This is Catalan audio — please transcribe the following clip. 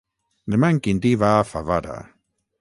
Demà en Quintí va a Favara.